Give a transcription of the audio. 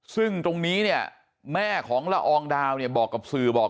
ซึ่งตรงนี้เนี่ยแม่ของละอองดาวเนี่ยบอกกับสื่อบอก